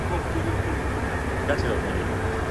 The Cube rotates around a hidden pole in the center.